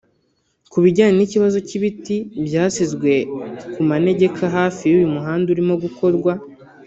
Ku bijyanye n’ikibazo cy’ibiti byasizwe ku manegeka hafi y’uyu muhanda urimo gukorwa